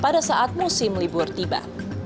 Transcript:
yang masih melibur tiba